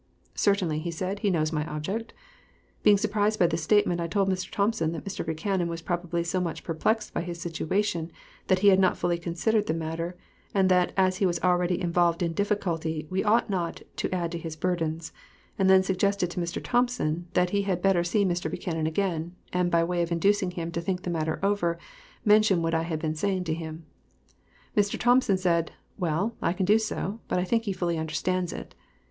"Certainly," he said, "he knows my object." Being surprised by this statement, I told Mr. Thompson that Mr. Buchanan was probably so much perplexed by his situation that he had not fully considered the matter, and that as he was already involved in difficulty, we ought not to add to his burdens; and then suggested to Mr. Thompson that he had better see Mr. Buchanan again, and by way of inducing him to think the matter over, mention what I had been saying to him. Mr. Thompson said, "Well, I can do so, but I think he fully understands it."